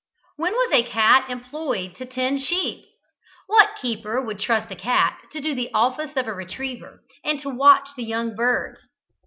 When was a cat employed to tend sheep? What keeper would trust a cat to do the office of a retriever, and to watch the young birds?